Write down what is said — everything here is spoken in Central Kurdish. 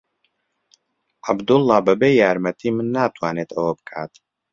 عەبدوڵڵا بەبێ یارمەتیی من ناتوانێت ئەوە بکات.